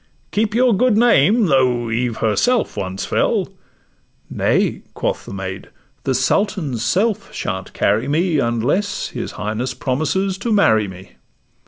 Keep your good name; though Eve herself once fell.' 'Nay,' quoth the maid, 'the Sultan's self shan't carry me, Unless his highness promises to marry me.